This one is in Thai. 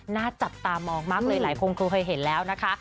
หน้าจับตามองมากเลยหลายคนครูเคยเห็นแล้วนะคะ